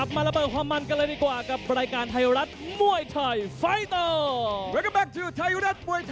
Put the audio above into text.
มวยไทยไฟเตอร์